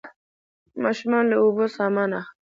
ماشومانو له د لوبو سامان اخلم